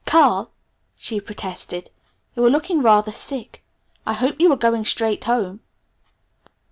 "Carl," she protested, "you are looking rather sick. I hope you are going straight home."